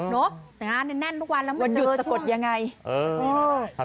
แต่งานแน่นทุกวันแล้วมันเจอช่วงวันหยุดตะกดยังไงเออ